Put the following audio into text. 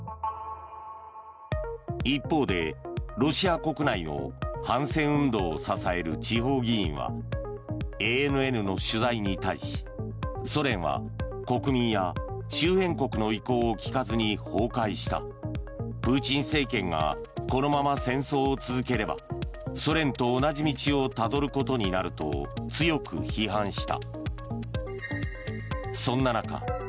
一方で、ロシア国内の反戦運動を支える地方議員はＡＮＮの取材に対しソ連は国民や周辺国の意向を聞かずに崩壊したプーチン政権がこのまま戦争を続ければソ連と同じ道をたどることになると強く批判した。